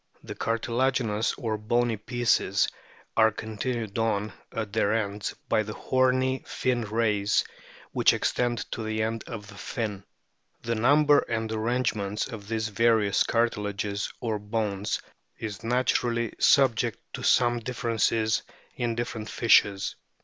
The cartilaginous, or bony pieces, are continued on at their ends by the horny fin rays which extend to the end of the fin. The number and arrangements of these various cartilages or bones is naturally subject to some differences in different fishes.